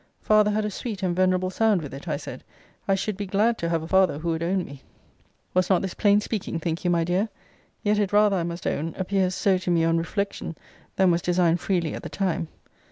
Father had a sweet and venerable sound with it, I said. I should be glad to have a father who would own me! Was not this plain speaking, think you, my dear? Yet it rather, I must own, appears so to me on reflection, than was designed freely at the time.